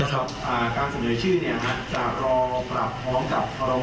ครับโรงงอชื่อใหม่และด้ากหลักพร้อม